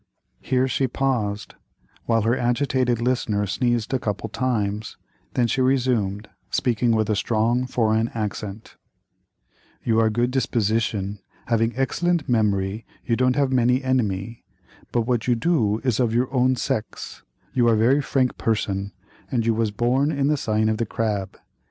Here she paused, while her agitated listener sneezed a couple of times; then she resumed, speaking with a strong foreign accent: "You are good disposition—have excellent memory, you don't have many enemy, but what you do is of your own sex—you are very frank person and you was born in the sign of the Crab.